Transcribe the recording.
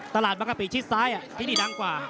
ตลาดบังคับปีชิดซ้ายนี่ดังกว่า